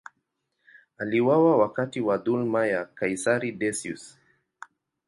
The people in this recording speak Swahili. Aliuawa wakati wa dhuluma ya kaisari Decius.